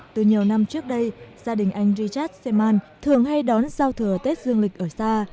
từ nhiều năm trước đây gia đình anh richard seaman thường hay đón sao thừa tết dương lịch ở xa